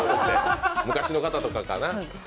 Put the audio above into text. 昔の方とかかな。